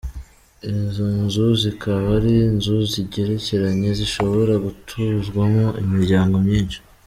Izo nzu zikaba ari inzu zigerekeranye zishobora gutuzwamo imiryango myinsi.